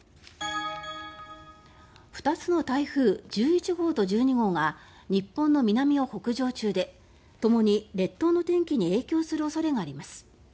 ２つの台風１１号と１２号が日本の南を北上中でともに列島の天気に影響する恐れがあります。